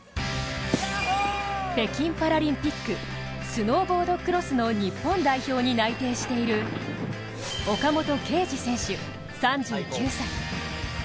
北京パラリンピック、スノーボードクロスの日本代表に内定している岡本圭司選手、３９歳。